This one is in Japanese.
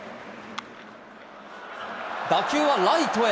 打球はライトへ。